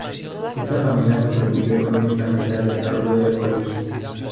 Esta familia contribuyó económicamente al desarrollo del colegio.